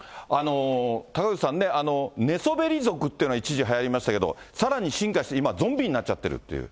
高口さんね、寝そべり族というのが一時はやりましたけど、さらに進化して、今ゾンビになっちゃってるっていう。